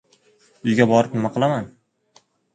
"Uyga borib nima qilaman?"